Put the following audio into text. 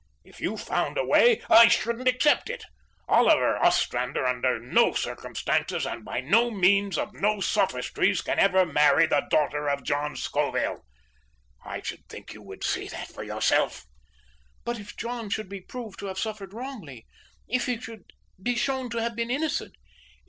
If you found a way, I shouldn't accept it. Oliver Ostrander, under no circumstances and by means of no sophistries, can ever marry the daughter of John Scoville. I should think you would see that for yourself." "But if John should be proved to have suffered wrongfully? If he should be shown to have been innocent?"